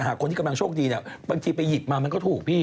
คนที่กำลังโชคดีเนี่ยบางทีไปหยิบมามันก็ถูกพี่